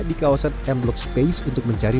di kawasan m block space untuk mencari